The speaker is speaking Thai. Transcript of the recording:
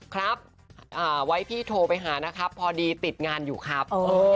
ครับไว้พี่โทรไปหานะครับพอดีติดงานอยู่ครับ